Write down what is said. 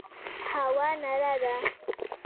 پوهه رڼا ده